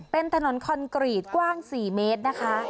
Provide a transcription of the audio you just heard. เป็นถนนคอนกรีตกว้าง๔เมตรนะคะ